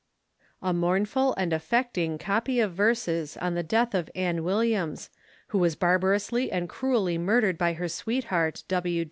A mournful and affecting COPY OF VERSES on the death of ANN WILLIAMS, Who was barbarously and cruelly murdered by her sweetheart, W.